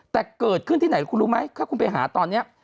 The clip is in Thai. แต่เกิดขึ้นที่ไหนคุณรู้ไหมถ้าคุณไปหาตอนนี้